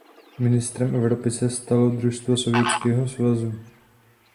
Mistrem Evropy se stalo družstvo Sovětského svazu.